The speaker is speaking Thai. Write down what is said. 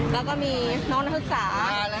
แล้วก็มีน้องนักศึกษา